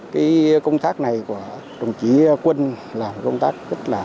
cái công tác này của đồng chí quân làm công tác rất là